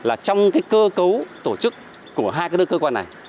là trong cái cơ cấu tổ chức của hai cái đất cơ quan này